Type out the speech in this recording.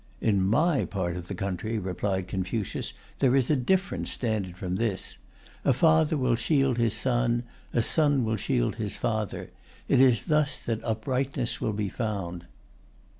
"In my part of the country," replied Confucius, "there is a different standard from this. A father will shield his son, a son will shield his father. It is thus that uprightness will be found."